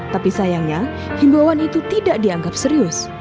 tapi sayangnya himbauan itu tidak dianggap serius